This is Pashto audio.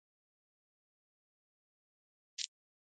د دې بڼه پیسې توکي او بېرته پیسې دي